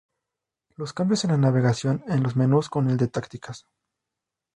Los cambios en la navegación en los menús como el de "Tácticas".